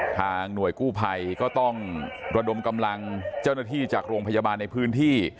หน่วยกู้ภัยก็ต้องระดมกำลังเจ้าหน้าที่จากโรงพยาบาลในพื้นที่